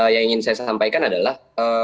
yang ingin saya sampaikan adalah